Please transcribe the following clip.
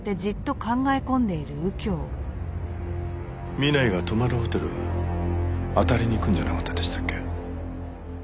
南井が泊まるホテルあたりに行くんじゃなかったでしたっけ？